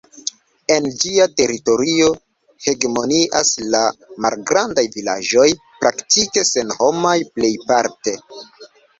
En ĝia teritorio hegemonias la malgrandaj vilaĝoj, praktike senhomaj plejparte.